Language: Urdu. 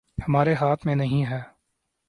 ہمارے ہاتھ میں نہیں ہے